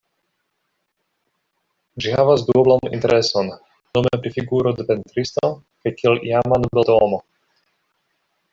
Ĝi havas duoblan intereson, nome pri figuro de pentristo kaj kiel iama nobeldomo.